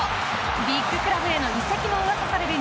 ビッグクラブへの移籍もうわさされる